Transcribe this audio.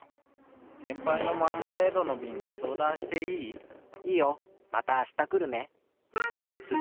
せんぱいのマーマレードのびんにそうだんしていい？いいよ。またあしたくるね。